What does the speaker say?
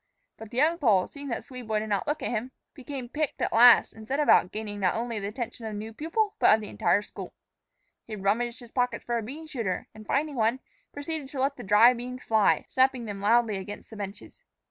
But the young Pole, seeing that the Swede boy did not look at him, became piqued at last and set about gaining not only the attention of the new pupil, but of the entire school. He rummaged his pockets for a bean shooter, and, finding one, proceeded to let the dry beans fly, snapping them loudly against the benches.